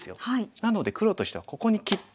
なので黒としてはここに切って。